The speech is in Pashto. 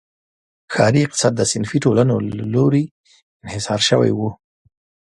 ښاري اقتصاد د صنفي ټولنو له لوري انحصار شوی و.